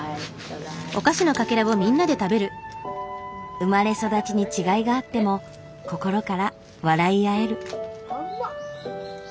生まれ育ちに違いがあっても心から笑い合える。